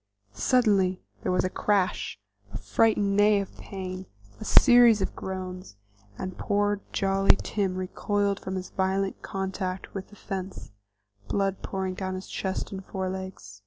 Suddenly there was a crash, a frightened neigh of pain, a series of groans, and poor jolly Tim recoiled from his violent contact with the fence, blood pouring down his chest and forelegs.